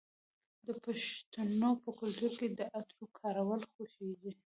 د پښتنو په کلتور کې د عطرو کارول خوښیږي.